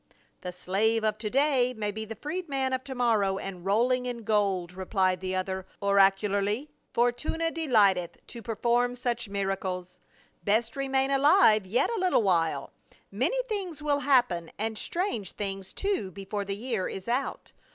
" The slave of to day may be the freedman of to morrow and rolling in gold," replied the other oracularly. " Fortuna delighteth to perform such miracles. Best remain alive yet a little while ; many things will happen, and strange things, too, before the year is out.